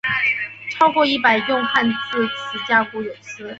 超过一百用汉字词加固有词。